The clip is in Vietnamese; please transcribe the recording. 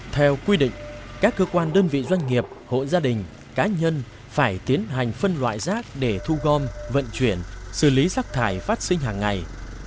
theo quy định các cơ quan đơn vị doanh nghiệp hộ gia đình cá nhân phải tiến hành phân loại rác để thu gom vận chuyển xử lý rác thải phát sinh hàng ngày